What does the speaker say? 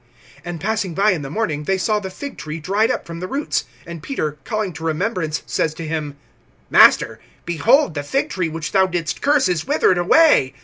(20)And passing by in the morning, they saw the fig tree dried up from the roots. (21)And Peter, calling to remembrance, says to him: Master, behold, the fig tree which thou didst curse is withered away.